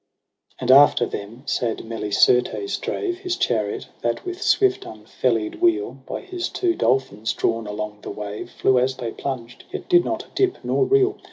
And after them sad Melicertes drave His chariot, that with swift unfeUied wheel. By his two dolphins drawn along the wave. Flew as they plunged, yet did not dip nor reel.